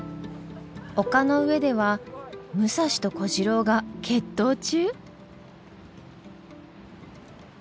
丘の上では武蔵と小次郎が決闘中！？